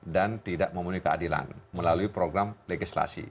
dan tidak memiliki keadilan melalui program legislasi